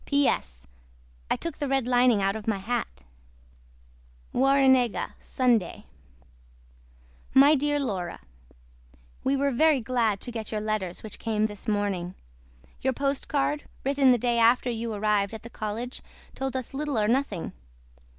P.S. I TOOK THE RED LINEING OUT OF MY HAT. WARRENEGA SUNDAY. MY DEAR LAURA WE WERE VERY GLAD TO GET YOUR LETTERS WHICH CAME THIS MORNING. YOUR POSTCARD WRITTEN THE DAY AFTER YOU ARRIVED AT THE COLLEGE TOLD US LITTLE OR NOTHING.